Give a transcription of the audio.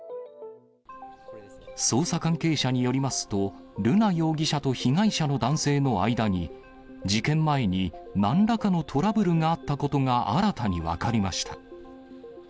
捜査関係者によりますと、瑠奈容疑者と被害者の男性の間に、事件前になんらかのトラブルがあったことが新たに分かりました。